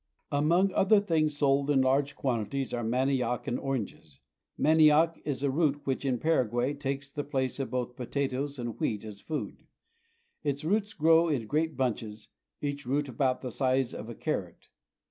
Among other things sold in large quantities are ma nioc and oranges. Manioc is a root which in Paraguay takes the place of both potatoes and wheat as food. Its roots grow in great bunches, each root about the size of a carrot.